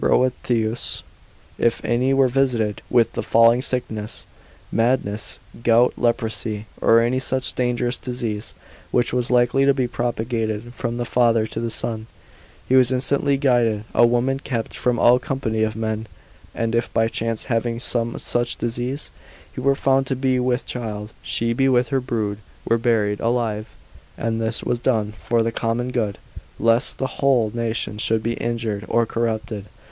Boethius, if any were visited with the falling sickness, madness, gout, leprosy, or any such dangerous disease, which was likely to be propagated from the father to the son, he was instantly gelded; a woman kept from all company of men; and if by chance having some such disease, she were found to be with child, she with her brood were buried alive: and this was done for the common good, lest the whole nation should be injured or corrupted.